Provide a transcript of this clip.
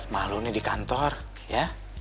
malu nih di kantor ya